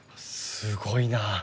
すごいな。